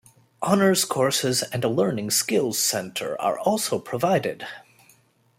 Honors courses and a learning skills center are also provided.